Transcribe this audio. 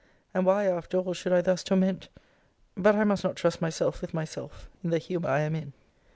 And why, after all, should I thus torment but I must not trust myself with myself, in the humour I am in.